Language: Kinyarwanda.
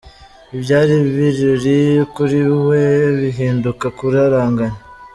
Ibyari ibirori kuri we bihinduka kuraranganya!